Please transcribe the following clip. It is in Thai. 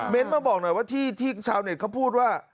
มาบอกหน่อยว่าที่ชาวเน็ตเขาพูดว่า